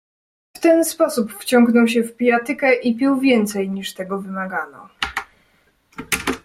"W ten sposób wciągnął się w pijatykę i pił więcej, niż tego wymagano."